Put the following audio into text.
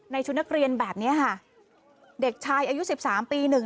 ชุดนักเรียนแบบเนี้ยค่ะเด็กชายอายุสิบสามปีหนึ่ง